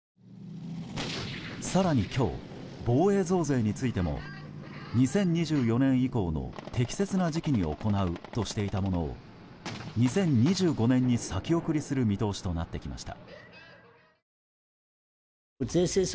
更に今日、防衛増税についても２０２４年以降の適切な時期に行うとしていたものを２０２５年に先送りする見通しとなってきました。